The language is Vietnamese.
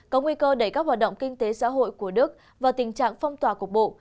có nguy cơ đẩy các hoạt động kinh tế xã hội của đức vào tình trạng phong tỏa cục bộ